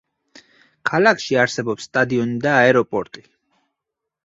ქალაქში არსებობს სტადიონი და აეროპორტი.